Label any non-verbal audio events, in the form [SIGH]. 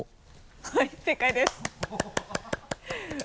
はい正解です [LAUGHS]